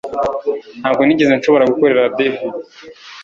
Ntabwo nigeze nshobora gukorera David